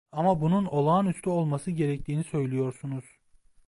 Ama bunun olağanüstü olması gerektiğini söylüyorsunuz.